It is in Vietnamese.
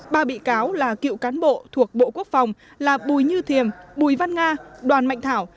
ba bị cáo là cựu cán bộ thuộc bộ quốc phòng là bùi như thiềm bùi văn nga đoàn mạnh thảo